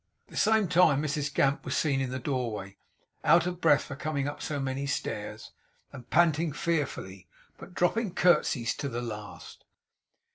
At the same time Mrs Gamp was seen in the doorway; out of breath from coming up so many stairs, and panting fearfully; but dropping curtseys to the last.